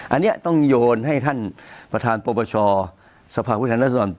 อันนี้ต้องโยนให้ท่านประธานปบชสภาควิทยาลัยรัฐศรรณ